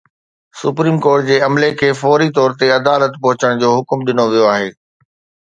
supreme court جي عملي کي فوري طور تي عدالت پهچڻ جو حڪم ڏنو ويو آهي